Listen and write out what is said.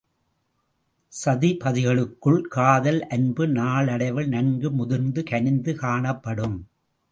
சதிபதிகளுக்குள்ள காதல் அன்பு நாளடைவில் நன்கு முதிர்ந்து கனிந்து காணப்படும்.